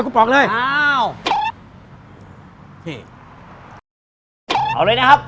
เอาเลยนะครับ